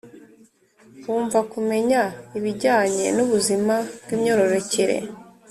Wumva kumenya ibijyanye n’ubuzima bw’imyororokere